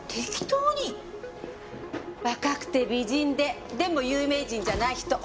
若くて美人ででも有名人じゃない人。